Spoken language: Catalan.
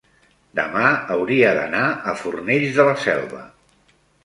demà hauria d'anar a Fornells de la Selva.